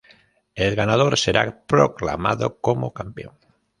El ganador será proclamado como Campeón.